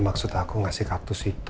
maksud aku ngasih kartu sih